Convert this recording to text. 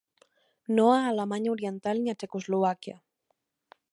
No a Alemanya Oriental ni a Txecoslovàquia.